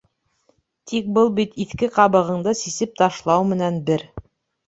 Тик был бит иҫке ҡабығыңды сисеп ташлау менән бер.